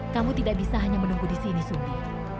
kamu tidak bisa hanya menunggu di sini sundi